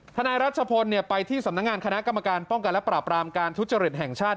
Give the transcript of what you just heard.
นายรัชพลไปที่สำนักงานคณะกรรมการป้องกันและปราบรามการทุจริตแห่งชาติ